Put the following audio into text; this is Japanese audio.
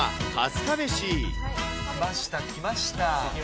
来ました、来ました。